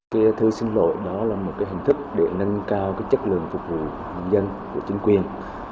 cái thư xin lỗi đó là một hình thức để nâng cao chất lượng phục vụ dân của chính quyền